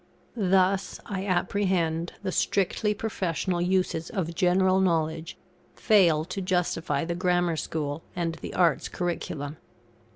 Thus, I apprehend, the strictly professional uses of general knowledge fail to justify the Grammar School and the Arts' curriculum.